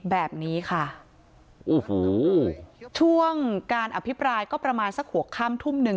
แบบนี้ค่ะโอ้โหช่วงการอภิปรายก็ประมาณสักหัวค่ำทุ่มหนึ่ง